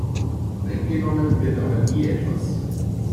Weggenommen wird aber nie etwas.